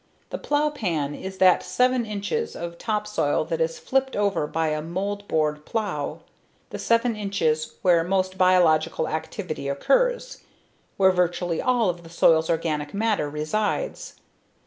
The plow pan is that seven inches of topsoil that is flipped over by a moldboard plow, the seven inches where most biological activity occurs, where virtually all of the soil's organic matter resides.